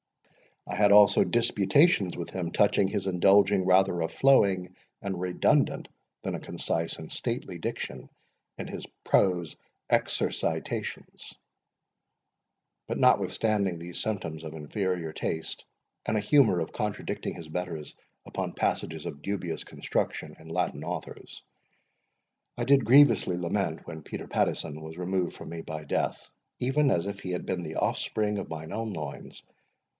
I had also disputations with him touching his indulging rather a flowing and redundant than a concise and stately diction in his prose exercitations. But notwithstanding these symptoms of inferior taste, and a humour of contradicting his betters upon passages of dubious construction in Latin authors, I did grievously lament when Peter Pattieson was removed from me by death, even as if he had been the offspring of my own loins.